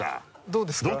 どうですか？